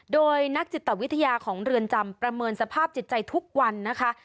โดยนักจิตวิทยาของเรือนจำประเมินสภาพจิตใจทุกวันนะคะ